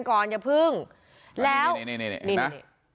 แซ็คเอ้ยเป็นยังไงไม่รอดแน่